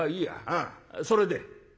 うんそれで？」。